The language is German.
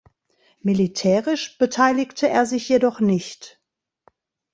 Militärisch beteiligte er sich jedoch nicht.